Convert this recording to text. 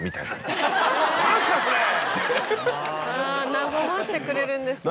和ませてくれるんですね。